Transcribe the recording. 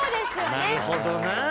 なるほどな。